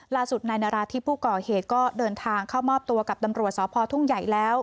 ล่าสุดนายนาราธิบผู้ก่อเหตุก็เดินทางเข้ามอบตัวกับตำรวจสพทุ่งใหญ่แล้ว